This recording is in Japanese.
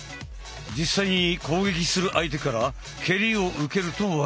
実際に攻撃する相手から蹴りを受けると分かりやすい！